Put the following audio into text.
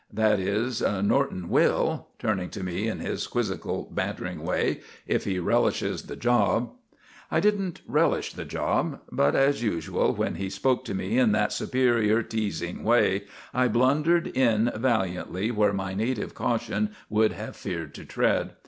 That is, Norton will " turning to me in his quizzical, bantering way, " if he relishes the job!" I didn't relish the job. But, as usual, when he spoke to me in that superior, teasing way I blundered in valiantly where my native caution would have feared to tread.